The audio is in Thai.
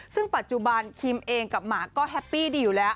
ซึ่งปัจจุบันคิมเองกับหมาก็แฮปปี้ดีอยู่แล้ว